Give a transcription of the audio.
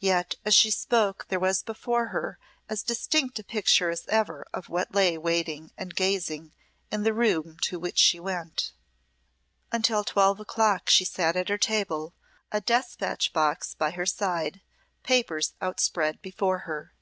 Yet as she spoke there was before her as distinct a picture as ever of what lay waiting and gazing in the room to which she went. Until twelve o'clock she sat at her table, a despatch box by her side, papers outspread before her.